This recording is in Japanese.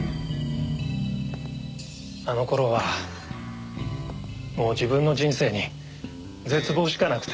あの頃はもう自分の人生に絶望しかなくて。